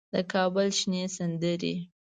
د کابل شنې سندرې